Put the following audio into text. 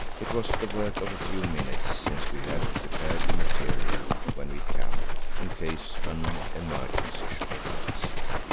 It was the work of a few minutes since we had prepared the material when we camped in case an emergency should arise.